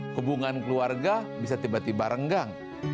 hubungan keluarga bisa tiba tiba renggang